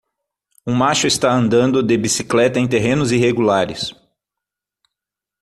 Um macho está andando de bicicleta em terrenos irregulares